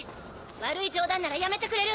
悪い冗談ならやめてくれる？